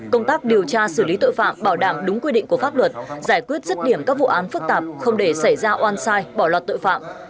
công tác điều tra xử lý tội phạm bảo đảm đúng quy định của pháp luật giải quyết rứt điểm các vụ án phức tạp không để xảy ra oan sai bỏ lọt tội phạm